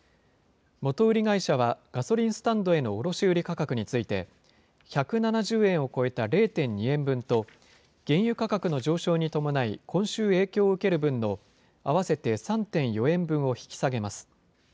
元売り会社はガソリンスタンドへの卸売り価格について、１７０円を超えた０．２円分と、原油価格の上昇に伴い、今週影響を受ける分の合わせて３．４円分を引き下げます。